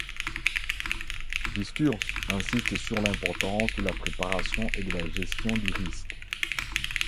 Viesturs insiste sur l’importance de la préparation et de la gestion du risque.